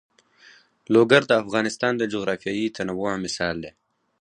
لوگر د افغانستان د جغرافیوي تنوع مثال دی.